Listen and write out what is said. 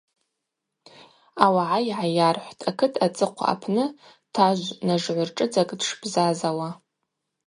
Ауагӏа йгӏайархӏвтӏ акыт ацӏыхъва апны тажвнажгӏвыршӏыдзакӏ дшбзазауа.